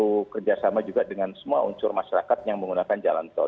kita butuh kerjasama juga dengan semua unsur masyarakat yang menggunakan jalan tol